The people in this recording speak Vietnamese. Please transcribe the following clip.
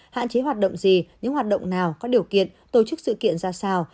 hạn chế hoạt động gì những hoạt động nào có điều kiện tổ chức sự kiện ra sao